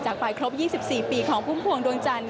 จากปลายครบ๒๔ปีของภูมิพวงดวงจันทร์